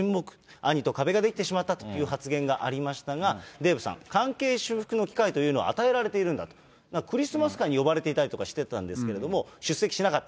兄と壁が出来てしまったという発言がありましたが、デーブさん、関係修復の機会というのは与えられているんだと、クリスマス会に呼ばれていたりとかしてたんですけれども、出席しなかった。